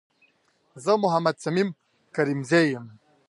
زه محمد صميم کريمزی یم